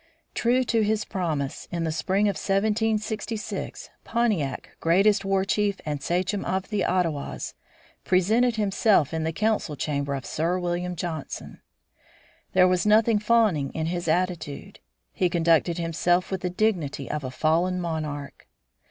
True to his promise, in the spring of 1766, Pontiac, greatest war chief and sachem of the Ottawas, presented himself in the council chamber of Sir William Johnson. There was nothing fawning in his attitude; he conducted himself with the dignity of a fallen monarch.